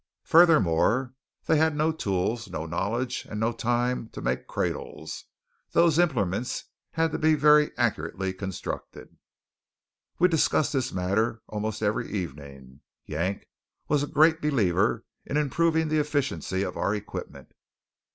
Furthermore, they had no tools, no knowledge and no time to make cradles. Those implements had to be very accurately constructed. We discussed this matter almost every evening. Yank was a great believer in improving the efficiency of our equipment.